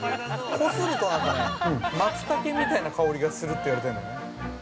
こすると、マツタケみたいな香りがするっていわれてるんだよね。